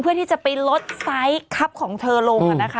เพื่อที่จะไปลดไซส์ครับของเธอลง